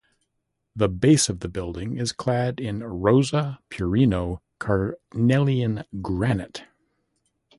The base of the building is clad in Rosa Purino Carnelian granite.